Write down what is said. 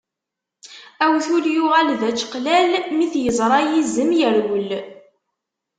Awtul yuɣal d ačeqlal, mi t-yeẓra yizem, yerwel.